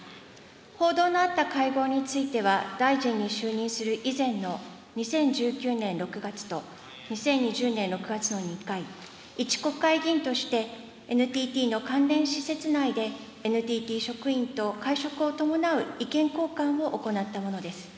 報道のあった会合については、大臣に就任する以前の、２０１９年６月と２０２０年６月の２回、一国会議員として、ＮＴＴの関連施設内で、ＮＴＴ職員と会食を伴う意見交換を行ったものです。